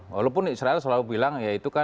walaupun israel selalu bilang